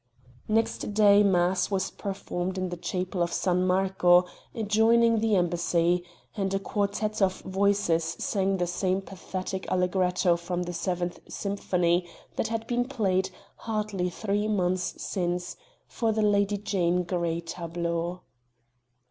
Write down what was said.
Next day mass was performed in the chapel of San Marco, adjoining the embassy, and a quartette of voices sang the same pathetic allegretto from the seventh symphony that had been played, hardly three months since, for the 'Lady Jane Grey' tableau.